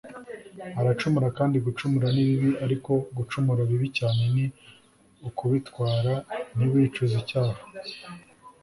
aracumura kandi gucumura ni bibi ariko gucumura bibi cyane ni ukubitwara ntiwicuze icyaha